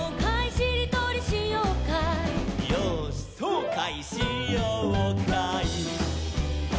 「よーしそうかいしようかい」